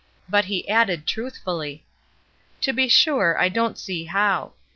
But he added truthfully: — '^To be sure, I don't see how."